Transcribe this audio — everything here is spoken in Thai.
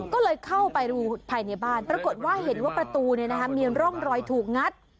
ก็เลยเข้าไปดูภายในบ้านปรากฏว่าเห็นว่าประตูมีร่องรอยถูกงัด